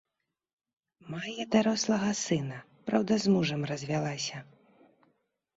Мае дарослага сына, праўда, з мужам развялася.